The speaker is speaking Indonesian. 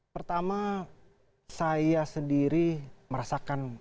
pertama saya sendiri merasakan